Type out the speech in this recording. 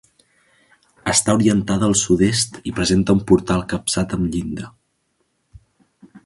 Està orientada al sud-est i presenta un portal capçat amb llinda.